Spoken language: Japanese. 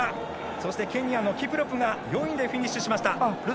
そしてケニアのキプロプが４位でフィニッシュしました。